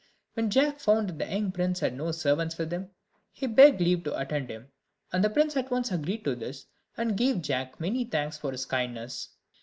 When Jack found that the young prince had no servants with him, he begged leave to attend him; and the prince at once agreed to this, and gave Jack many thanks for his kindness.